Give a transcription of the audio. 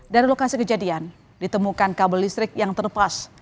dari lokasi kejadian ditemukan kabel listrik yang terlepas